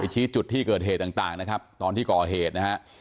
ชี้จุดที่เกิดเหตุต่างนะครับตอนที่ก่อเหตุนะฮะ